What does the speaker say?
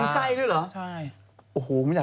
ไส้ก็กินด้วยเหรอ